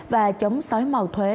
và chống sói mau thuế